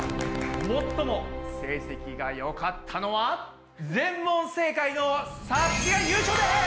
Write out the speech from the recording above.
最も成績がよかったのは全問正解のさつきが優勝です！